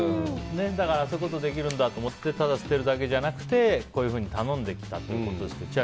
だからそういうことできるんだと思ってただ捨てるだけじゃなくてこういうふうに頼んできたということですが。